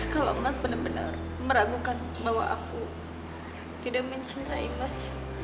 kalo mas bener bener meragukan bahwa aku tidak mencenderai mas